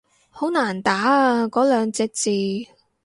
好難打啊嗰兩隻字